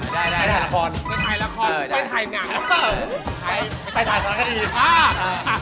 ถ่ายละครไปถ่ายเนื้องานก็เติบก็เร็ว